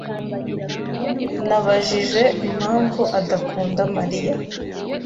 Nabajije impamvu adakunda Mariya.